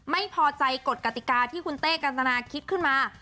ไม่พอใจกฎกติกาที่คุณเต้กันตนาคิดขึ้นมา